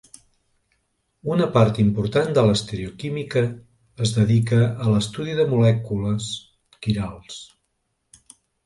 Una part important de l'estereoquímica es dedica a l'estudi de molècules quirals.